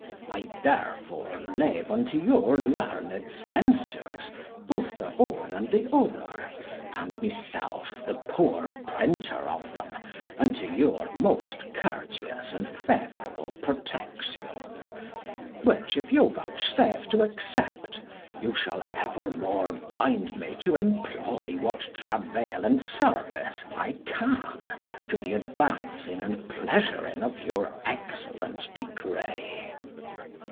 I therefore leave unto your learned censures both the one and the other, and myself the poor printer of them unto your most courteous and favourable protection; which if you vouchsafe to accept, you shall evermore bind me to employ what travail and service I can to the advancing and pleasuring of your excellent degree.